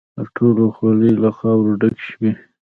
د ټولو خولې له خاورو ډکې شوې.